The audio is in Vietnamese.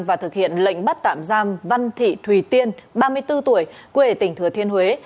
và thực hiện lệnh bắt tạm giam văn thị thùy tiên ba mươi bốn tuổi quê tỉnh thừa thiên huế